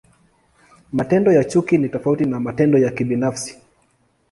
Matendo ya chuki ni tofauti na matendo ya kibinafsi.